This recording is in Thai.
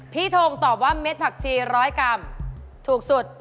พี่ทงตอบว่าเม็ดผักชี๑๐๐กรัมถูกสุด